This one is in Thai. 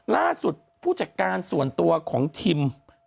ล่าสุดผู้จัดการส่วนตัวของทิม